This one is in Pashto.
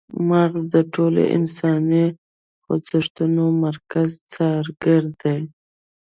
مغزه د ټولو انساني خوځښتونو مرکزي څارګر دي